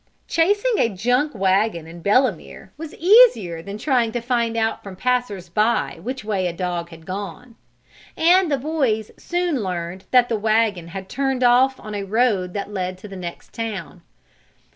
Tracing a junk wagon in Belemere was easier than trying to find out from passers by which way a dog had gone. And the boys soon learned that the wagon had turned off on a road that led to the next town.